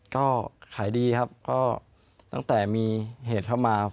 ก็ขายดีครับก็ตั้งแต่มีเหตุเข้ามา